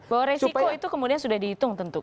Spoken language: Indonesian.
bahwa risiko itu kemudian sudah dihitung tentu kan